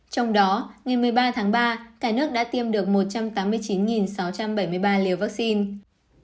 trong đó ngày một mươi ba tháng ba cả nước đã tiêm được một trăm tám mươi chín sáu trăm bảy mươi ba liều vaccine